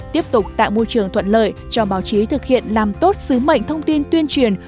tiếp tục tạo môi trường thuận lợi cho báo chí thực hiện làm tốt sứ mệnh thông tin tuyên truyền